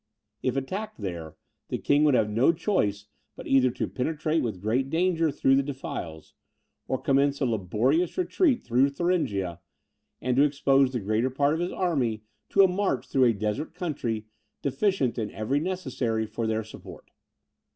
If attacked there, the king would have no choice but either to penetrate with great danger through the defiles, or commence a laborious retreat through Thuringia, and to expose the greater part of his army to a march through a desert country, deficient in every necessary for their support.